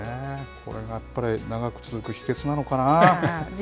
これがやっぱり長く続く秘訣なのかな。